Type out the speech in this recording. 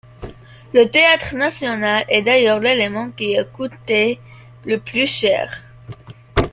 Le Théâtre national est d'ailleurs l'élément qui a coûté le plus cher.